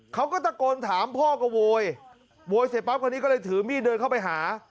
เขาก็ตะโกนถามพ่อก็โวยโวยเสร็จปั๊บคนนี้ก็เลยถือมีดเดินเข้าไปหา